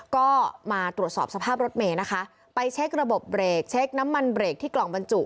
ก็มาตรวจสอบสภาพรถเมย์นะคะไปเช็คระบบเบรกเช็คน้ำมันเบรกที่กล่องบรรจุ